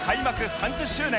３０周年